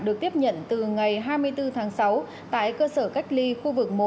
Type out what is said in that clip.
được tiếp nhận từ ngày hai mươi bốn tháng sáu tại cơ sở cách ly khu vực một